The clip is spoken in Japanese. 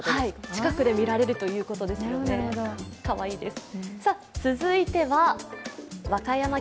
近くで見られるということですよね、かわいいです。